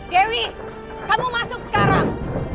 dewi kamu masuk sekarang